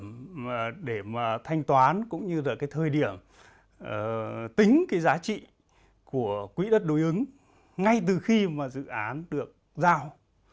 thứ hai là việc xác định thời điểm để thanh toán cũng như thời điểm tính giá trị của quỹ đất đối ứng ngay từ khi dự án được giao